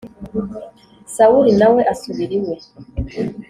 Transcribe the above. Sawuli na we asubira iwe